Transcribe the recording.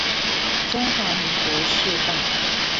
中華民國市道